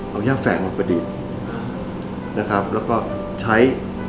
เอาย่าแฝงมาประดิษฐ์นะครับแล้วก็ใช้